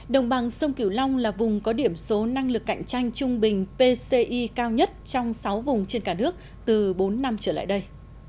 đồng bằng sông kiểu long là vùng có điểm số năng lực cạnh tranh trung bình pci cao nhất trong sáu vùng trên cả nước từ bốn năm trở lại đây